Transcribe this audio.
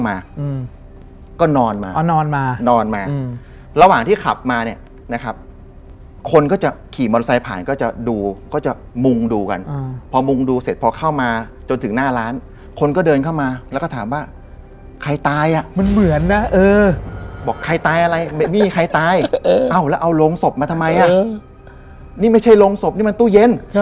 ต้องบอกก่อนว่าที่ที่บ้านบอมเนี่ย